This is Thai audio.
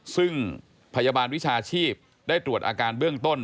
ซึ่งพยาบาลวิชาชีพได้ตรวจอาการเบื้องต้น